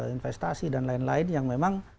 investasi dan lain lain yang memang